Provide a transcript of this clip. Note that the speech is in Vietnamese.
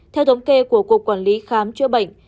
theo thống kê của cục quản lý khám chữa bệnh